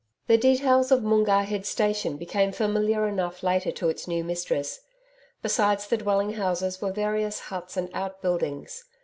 The details of Moongarr head station became familiar enough later to its new mistress. Besides the dwelling houses were various huts and outbuildings.